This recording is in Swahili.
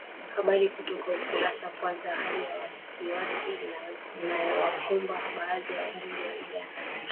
habari kutoka ukurasa kwanza hali ya wasiwasi imewakumba baadhi ya wabunge wa uganda